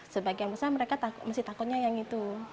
sebagian besar mereka masih takutnya yang itu